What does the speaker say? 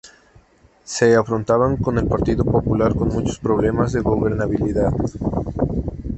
Se afrontaban con el Partido Popular con muchos problemas de gobernabilidad.